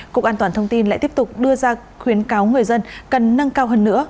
cục an toàn thông tin lại tiếp tục đưa ra khuyến cáo người dân cần nâng cao hơn nữa